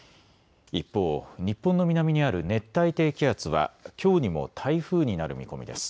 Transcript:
一方、日本の南にある熱帯低気圧はきょうにも台風になる見込みです。